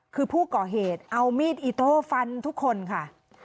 คือผู้ก่อเหตุเอามีดอิโต้ฟันทุกคนค่ะ